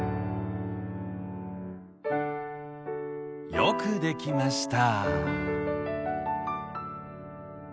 よくできました。